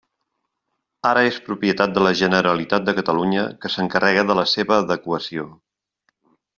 Ara és propietat de la Generalitat de Catalunya que s'encarrega de la seva adequació.